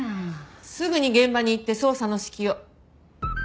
すぐに現場に行って捜査の指揮を。